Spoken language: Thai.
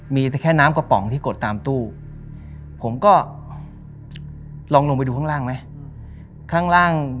มีแค่น้ำกระป๋องที่กดตามตู้ผมก็ลองลงไปดูข้างล่างไหม